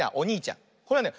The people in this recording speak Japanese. これはね